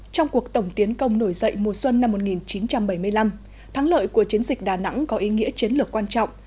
trong cuộc tổng tiến công nổi dậy mùa xuân năm một nghìn chín trăm bảy mươi năm thắng lợi của chiến dịch đà nẵng có ý nghĩa chiến lược quan trọng